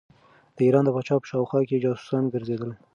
د ایران د پاچا په شاوخوا کې جاسوسان ګرځېدل.